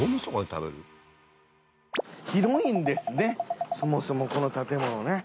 広いんですねそもそもこの建物ね。